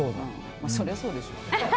そりゃそうでしょ。